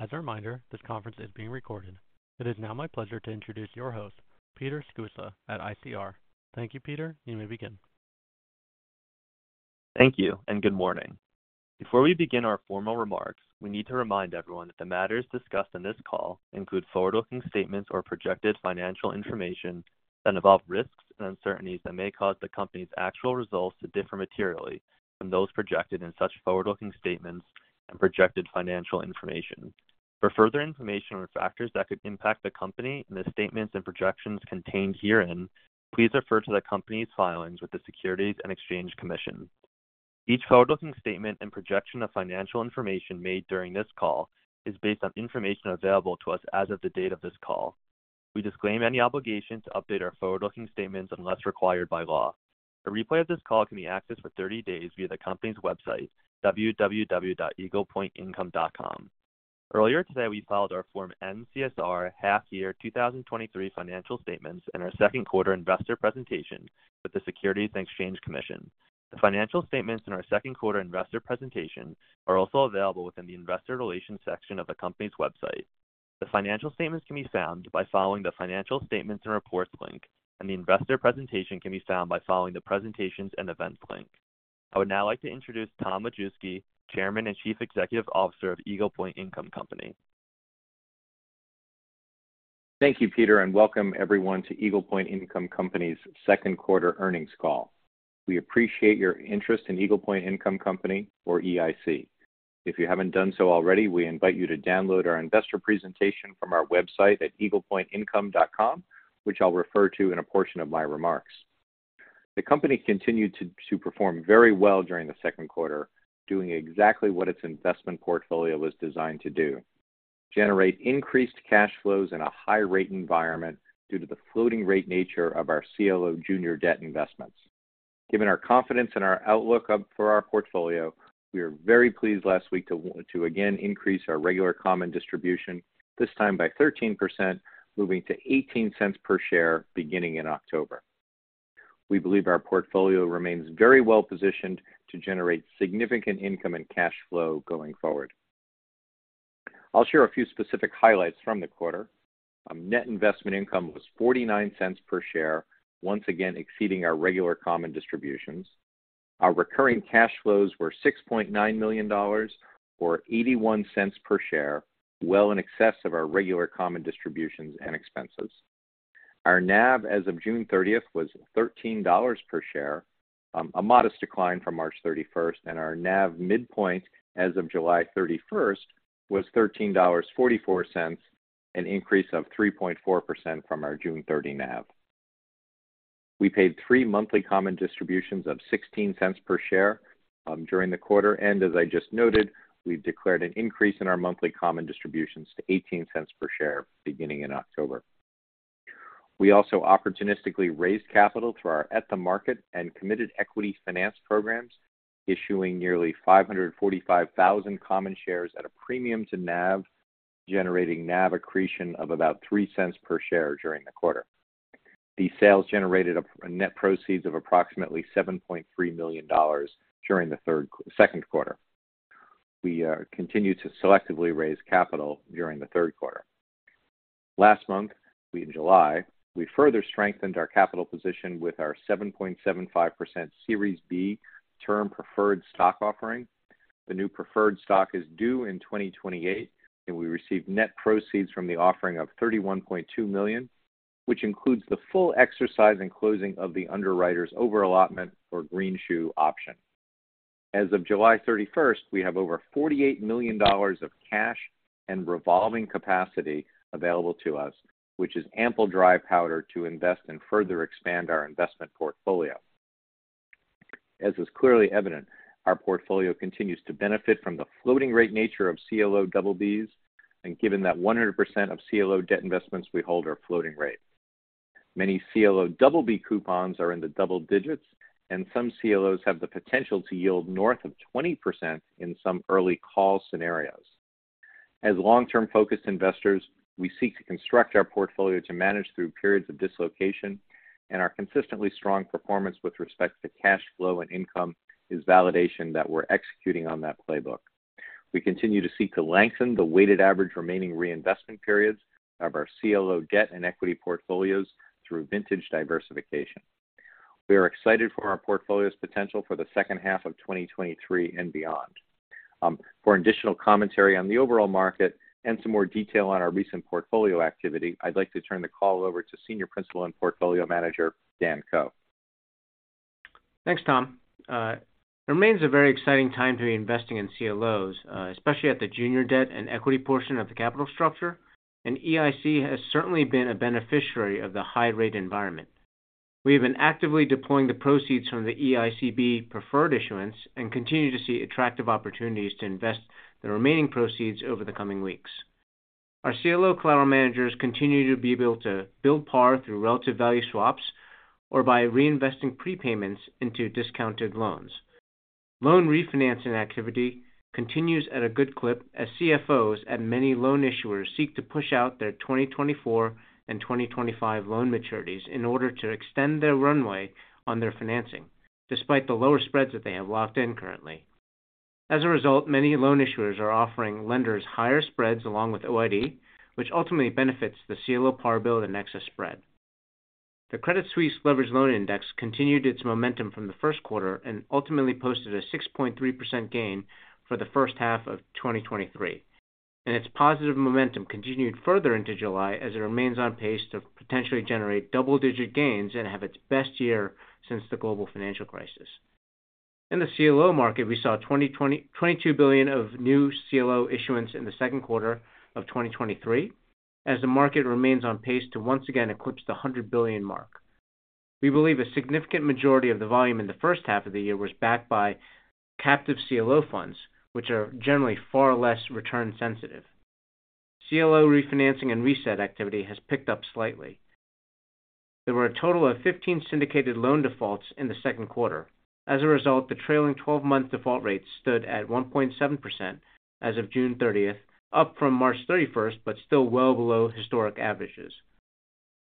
As a reminder, this conference is being recorded. It is now my pleasure to introduce your host, Peter Sceusa, at ICR. Thank you, Peter. You may begin. Thank you. Good morning. Before we begin our formal remarks, we need to remind everyone that the matters discussed in this call include forward-looking statements or projected financial information that involve risks and uncertainties that may cause the company's actual results to differ materially from those projected in such forward-looking statements and projected financial information. For further information on factors that could impact the company and the statements and projections contained herein, please refer to the company's filings with the Securities and Exchange Commission. Each forward-looking statement and projection of financial information made during this call is based on information available to us as of the date of this call. We disclaim any obligation to update our forward-looking statements unless required by law. A replay of this call can be accessed for 30 days via the company's website, www.eaglepointincome.com. Earlier today, we filed our Form N-CSR half year 2023 financial statements and our second quarter investor presentation with the Securities and Exchange Commission. The financial statements in our second quarter investor presentation are also available within the Investor Relations section of the company's website. The financial statements can be found by following the Financial Statements and Reports link, and the investor presentation can be found by following the Presentations and Events link. I would now like to introduce Thomas Majewski, Chairman and Chief Executive Officer of Eagle Point Income Company. Thank you, Peter. Welcome everyone to Eagle Point Income Company's Second Quarter Earnings Call. We appreciate your interest in Eagle Point Income Company or EIC. If you haven't done so already, we invite you to download our investor presentation from our website at eaglepointincome.com, which I'll refer to in a portion of my remarks. The company continued to perform very well during the second quarter, doing exactly what its investment portfolio was designed to do: generate increased cash flows in a high-rate environment due to the floating-rate nature of our CLO junior debt investments. Given our confidence in our outlook for our portfolio, we are very pleased last week to again increase our regular common distribution, this time by 13%, moving to $0.18 per share beginning in October. We believe our portfolio remains very well-positioned to generate significant income and cash flow going forward. I'll share a few specific highlights from the quarter. Net investment income was $0.49 per share, once again exceeding our regular common distributions. Our recurring cash flows were $6.9 million or $0.81 per share, well in excess of our regular common distributions and expenses. Our NAV as of June 30th was $13 per share, a modest decline from March 31st, and our NAV midpoint as of July 31st was $13.44, an increase of 3.4% from our June 30th NAV. We paid three monthly common distributions of $0.16 per share during the quarter, and as I just noted, we've declared an increase in our monthly common distributions to $0.18 per share beginning in October. We also opportunistically raised capital through our at-the-market and committed equity finance programs, issuing nearly 545,000 common shares at a premium to NAV, generating NAV accretion of about $0.03 per share during the quarter. These sales generated a net proceeds of approximately $7.3 million during the second quarter. We continue to selectively raise capital during the third quarter. Last month, in July, we further strengthened our capital position with our 7.75% Series B term preferred stock offering. The new preferred stock is due in 2028, and we received net proceeds from the offering of $31.2 million, which includes the full exercise and closing of the underwriter's over-allotment or greenshoe option. As of July 31st, we have over $48 million of cash and revolving capacity available to us, which is ample dry powder to invest and further expand our investment portfolio. As is clearly evident, our portfolio continues to benefit from the floating-rate nature of CLO BBs, and given that 100% of CLO debt investments we hold are floating rate. Many CLO BB coupons are in the double digits, and some CLOs have the potential to yield north of 20% in some early call scenarios. As long-term focused investors, we seek to construct our portfolio to manage through periods of dislocation, and our consistently strong performance with respect to cash flow and income is validation that we're executing on that playbook. We continue to seek to lengthen the weighted average remaining reinvestment period of our CLO debt and equity portfolios through vintage diversification. We are excited for our portfolio's potential for the second half of 2023 and beyond. For additional commentary on the overall market and some more detail on our recent portfolio activity, I'd like to turn the call over to Senior Principal and Portfolio Manager, Dan Ko. Thanks, Tom. It remains a very exciting time to be investing in CLOs, especially at the junior debt and equity portion of the capital structure. EIC has certainly been a beneficiary of the high-rate environment. We have been actively deploying the proceeds from the EICB preferred issuance and continue to see attractive opportunities to invest the remaining proceeds over the coming weeks. Our CLO collateral managers continue to be able to build par through relative value swaps or by reinvesting prepayments into discounted loans. Loan refinancing activity continues at a good clip as CFOs and many loan issuers seek to push out their 2024 and 2025 loan maturities in order to extend their runway on their financing, despite the lower spreads that they have locked in currently. As a result, many loan issuers are offering lenders higher spreads along with OID, which ultimately benefits the CLO par build and excess spread. The Credit Suisse Leveraged Loan Index continued its momentum from the first quarter and ultimately posted a 6.3% gain for the first half of 2023, and its positive momentum continued further into July, as it remains on pace to potentially generate double-digit gains and have its best year since the global financial crisis. In the CLO market, we saw $22 billion of new CLO issuance in the second quarter of 2023, as the market remains on pace to once again eclipse the $100 billion mark. We believe a significant majority of the volume in the first half of the year was backed by captive CLO funds, which are generally far less return sensitive. CLO refinancing and reset activity has picked up slightly. There were a total of 15 syndicated loan defaults in the second quarter. As a result, the trailing 12-month default rate stood at 1.7% as of June 30th, up from March 31st, still well below historic averages.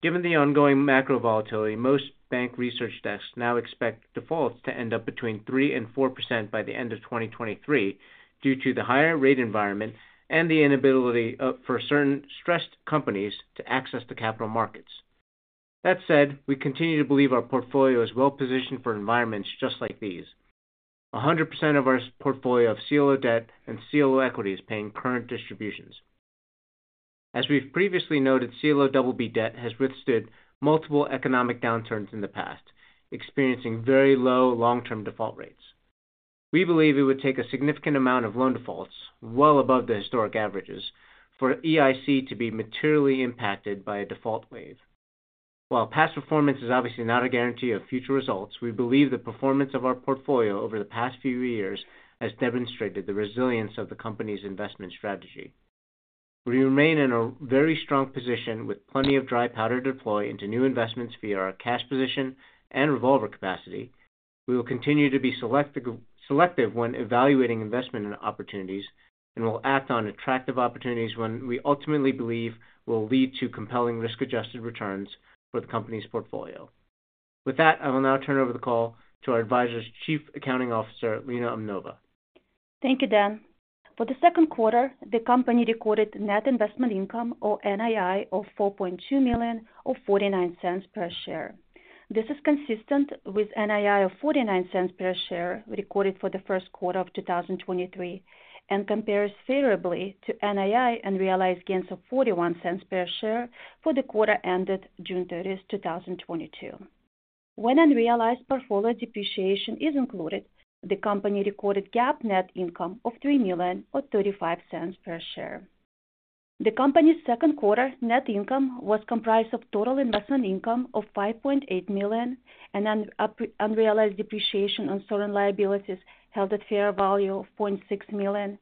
Given the ongoing macro volatility, most bank research desks now expect defaults to end up between 3%-4% by the end of 2023, due to the higher rate environment and the inability for certain stressed companies to access the capital markets. That said, we continue to believe our portfolio is well positioned for environments just like these. 100% of our portfolio of CLO debt and CLO equity is paying current distributions. As we've previously noted, CLO BB debt has withstood multiple economic downturns in the past, experiencing very low long-term default rates. We believe it would take a significant amount of loan defaults, well above the historic averages, for EIC to be materially impacted by a default wave. While past performance is obviously not a guarantee of future results, we believe the performance of our portfolio over the past few years has demonstrated the resilience of the company's investment strategy. We remain in a very strong position, with plenty of dry powder to deploy into new investments via our cash position and revolver capacity. We will continue to be selective when evaluating investment opportunities, and we'll act on attractive opportunities when we ultimately believe will lead to compelling risk-adjusted returns for the company's portfolio. With that, I will now turn over the call to our advisors Chief Accounting Officer, Lena Umnova. Thank you, Dan. For the second quarter, the company recorded net investment income, or NII, of $4.2 million, or $0.49 per share. This is consistent with NII of $0.49 per share recorded for the first quarter of 2023, and compares favorably to NII and realized gains of $0.41 per share for the quarter ended June 30th, 2022. When unrealized portfolio depreciation is included, the company recorded GAAP net income of $3 million, or $0.35 per share. The company's second quarter net income was comprised of total investment income of $5.8 million and unrealized depreciation on certain liabilities held at fair value of $0.6 million,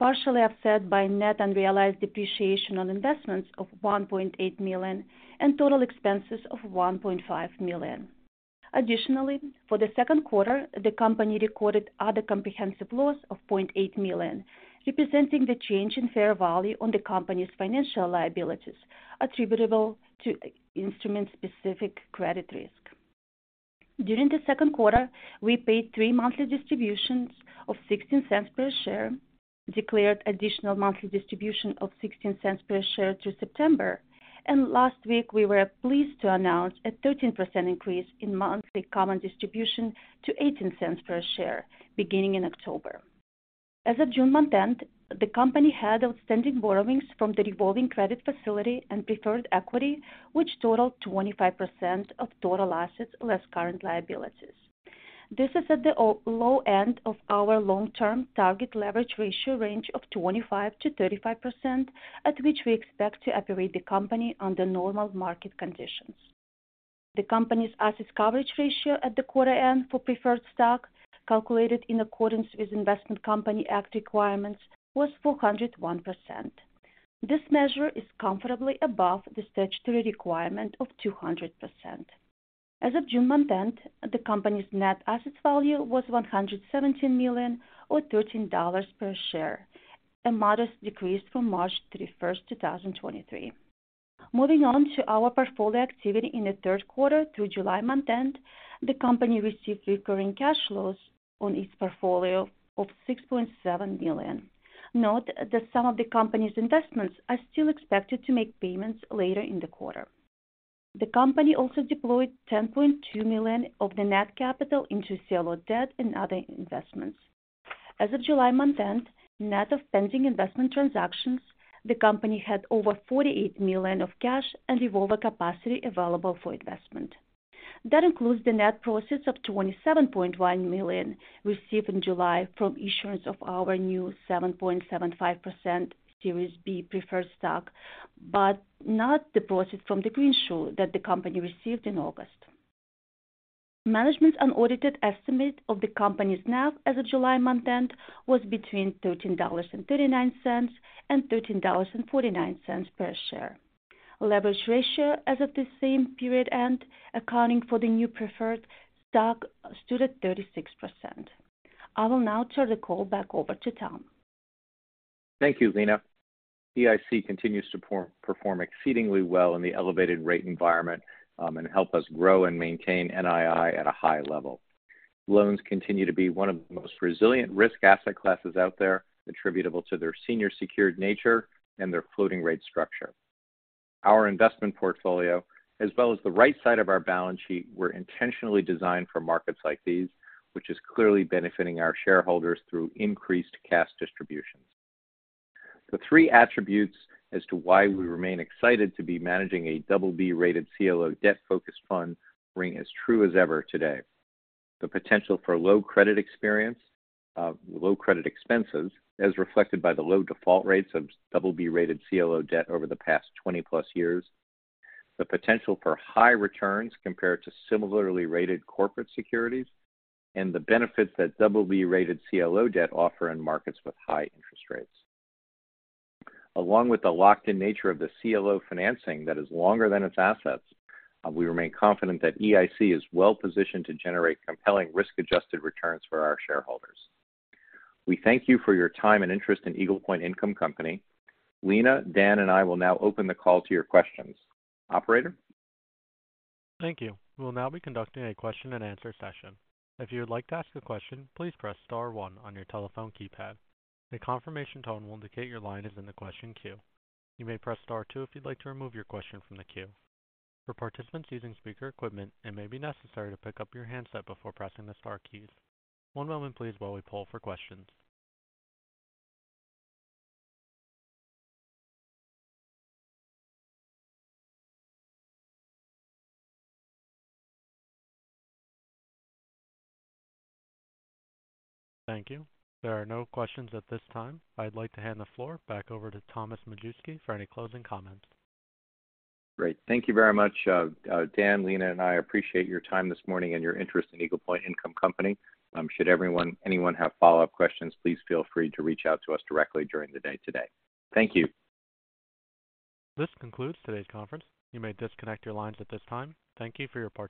partially offset by net unrealized depreciation on investments of $1.8 million and total expenses of $1.5 million. Additionally, for the second quarter, the company recorded other comprehensive loss of $0.8 million, representing the change in fair value on the company's financial liabilities attributable to instrument-specific credit risk. During the second quarter, we paid three monthly distributions of $0.16 per share, declared additional monthly distribution of $0.16 per share through September, and last week we were pleased to announce a 13% increase in monthly common distribution to $0.18 per share, beginning in October. As of June month-end, the company had outstanding borrowings from the revolving credit facility and preferred equity, which totaled 25% of total assets, less current liabilities. This is at the low end of our long-term target leverage ratio range of 25%-35%, at which we expect to operate the company under normal market conditions. The company's asset coverage ratio at the quarter end for preferred stock, calculated in accordance with Investment Company Act requirements, was 401%. This measure is comfortably above the statutory requirement of 200%. As of June month-end, the company's Net Asset Value was $117 million, or $13 per share, a modest decrease from March 31st, 2023. Moving on to our portfolio activity in the third quarter, through July month-end, the company received recurring cash flows on its portfolio of $6.7 million. Note that some of the company's investments are still expected to make payments later in the quarter. The company also deployed $10.2 million of the net capital into CLO debt and other investments. As of July month-end, net of pending investment transactions, the company had over $48 million of cash and revolver capacity available for investment. That includes the net proceeds of $27.1 million received in July from issuance of our new 7.75% Series B preferred stock, but not the proceeds from the greenshoe that the company received in August. Management's unaudited estimate of the company's NAV as of July month-end was between $13.39 and $13.49 per share. Leverage ratio as of the same period end, accounting for the new preferred stock, stood at 36%. I will now turn the call back over to Tom. Thank you, Lena. EIC continues to perform exceedingly well in the elevated rate environment, and help us grow and maintain NII at a high level. Loans continue to be one of the most resilient risk asset classes out there, attributable to their senior secured nature and their floating rate structure. Our investment portfolio, as well as the right side of our balance sheet, were intentionally designed for markets like these, which is clearly benefiting our shareholders through increased cash distributions. The three attributes as to why we remain excited to be managing a BB-rated CLO debt focused fund ring as true as ever today. The potential for low credit experience, low credit expenses, as reflected by the low default rates of BB-rated CLO debt over the past 20+ years, the potential for high returns compared to similarly rated corporate securities, and the benefits that BB-rated CLO debt offer in markets with high interest rates. Along with the locked-in nature of the CLO financing that is longer than its assets, we remain confident that EIC is well-positioned to generate compelling risk-adjusted returns for our shareholders. We thank you for your time and interest in Eagle Point Income Company. Lena, Dan, and I will now open the call to your questions. Operator? Thank you. We will now be conducting a question-and-answer session. If you would like to ask a question, please press star one on your telephone keypad. A confirmation tone will indicate your line is in the question queue. You may press star two if you'd like to remove your question from the queue. For participants using speaker equipment, it may be necessary to pick up your handset before pressing the star keys. One moment please while we poll for questions. Thank you. There are no questions at this time. I'd like to hand the floor back over to Thomas Majewski for any closing comments. Great. Thank you very much. Dan, Lena, and I appreciate your time this morning and your interest in Eagle Point Income Company. Should everyone, anyone have follow-up questions, please feel free to reach out to us directly during the day today. Thank you. This concludes today's conference. You may disconnect your lines at this time. Thank you for your participation.